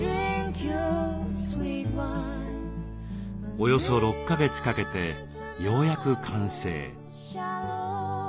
およそ６か月かけてようやく完成。